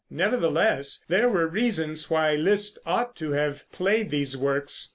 Nevertheless, there were reasons why Liszt ought to have played these works.